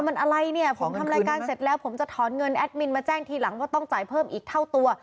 มันอะไรเนี่ยผมทำรายการเสร็จแล้วผมจะถอนเงินแอดมินมาแจ้งทีหลังว่าต้องจ่ายเพิ่มอีกเท่าตัว